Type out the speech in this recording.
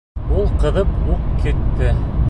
— Ул ҡыҙып уҡ китте.